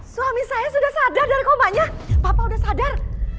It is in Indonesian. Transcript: suami saya sudah sadar dari komanya papa udah sadar